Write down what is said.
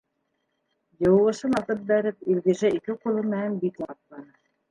Йыуғысын атып бәреп, Илгизә ике ҡулы менән битен ҡапланы.